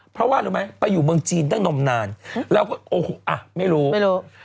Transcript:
เพราะว่าไปอยู่เมืองจีนนั่งนมนานแล้วไม่รู้